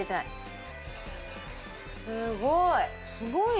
すごい！